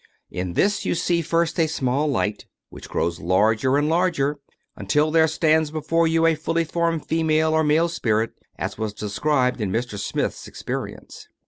In this you see first a small light, which grows larger and larger, tmtil there stands before you a fully formed female or male spirit, as was described in Mr. Smith's experience.